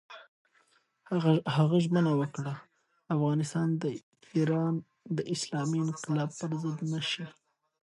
هغه ژمنه وکړه، افغانستان د ایران د اسلامي انقلاب پر ضد نه شي.